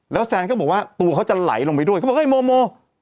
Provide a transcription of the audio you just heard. แล้วแซนก็บอกว่าตัวเขาจะไหลลงไปด้วยเขาบอกเอ้ยโมโม